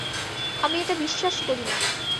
আমি এটা বিশ্বাস করিনা!